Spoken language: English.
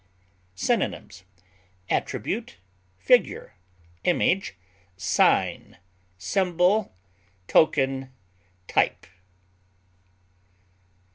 Synonyms: attribute, figure, image, sign, symbol, token, type.